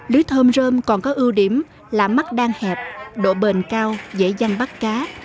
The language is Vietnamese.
lưới thơm rơm còn có ưu điểm là mắt đang hẹp độ bền cao dễ danh bắt cá